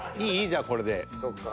じゃあこれで。